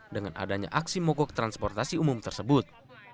dengan adanya aksi mogok transportasi umum tersebut